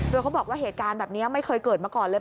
โดยเขาบอกว่าเหตุการณ์แบบนี้ไม่เคยเกิดมาก่อนเลย